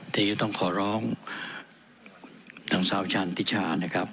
แต่ยังต้องขอร้องนางซาวชาญธิชานะครับ